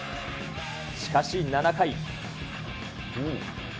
しかし、７回。